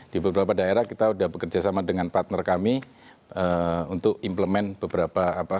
di beberapa daerah kita sudah bekerjasama dengan partner kami untuk implement beberapa apa